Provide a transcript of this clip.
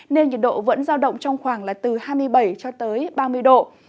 nên nhiệt độ vẫn giao động trong khoảng là từ hai mươi bảy ba mươi độ